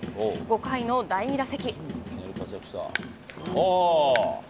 ５回の第２打席。